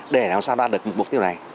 để làm sao đạt được mục tiêu này